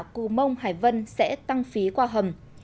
cù mông hải vân sẽ tăng phí qua hầm